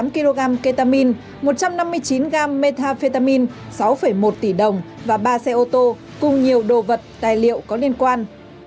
bốn tám kg ketamine một trăm năm mươi chín gram methamphetamine sáu một tỷ đồng và ba xe ô tô cùng nhiều đồ vật tài liệu có liên quan